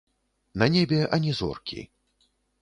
На небе ані зоркі.